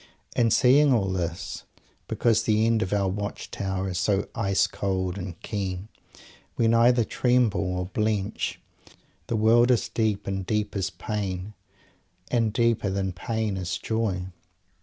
_ And seeing all this, because the air of our watch tower is so ice cold and keen, we neither tremble or blench. The world is deep, and deep is pain, and deeper than pain is joy.